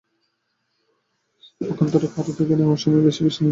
পক্ষান্তরে কারও থেকে নেওয়ার সময় বেশি বেশি নিত।